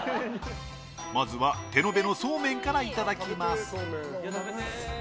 まずは手延べのそうめんからいただきます。